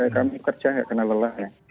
kami kerja tidak kena lelah ya